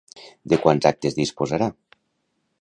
De quants actes disposarà?